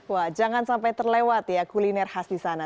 wah jangan sampai terlewat ya kuliner khas di sana